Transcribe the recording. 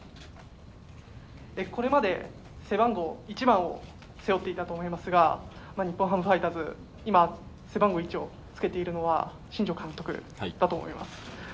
これまで背番号１番を背負っていたと思いますが、日本ハムファイターズ、今背番号１をつけているのは新庄監督だと思います。